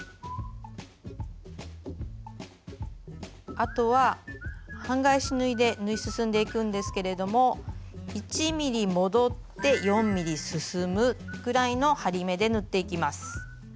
あとは半返し縫いで縫い進んでいくんですけれども１ｍｍ戻って４ｍｍ進むぐらいの針目で縫っていきます。